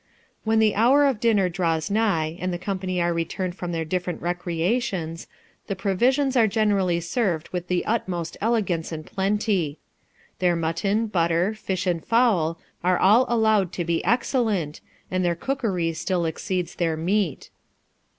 When the hour of dinner draws nigh, and the company are returned from their different recreations, the provisions are generally served with the utmost elegance and plenty. Their mutton, butter, fish, and fowl, are all allowed to be excellent, and their cookery still exceeds their meat.